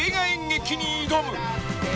演劇に挑む！